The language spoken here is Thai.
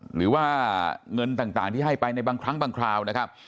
หรือว่าเงินต่างที่ให้ไปในบางครั้งบางคราวนะครับ